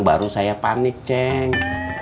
baru saya panik ceng